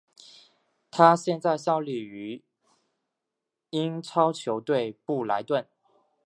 他现在效力于英超球队布莱顿。